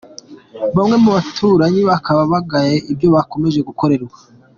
Bamwe mu baturanyi bakaba bagaye ibyo akomeje gukorerwa.